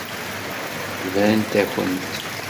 Brant-akent.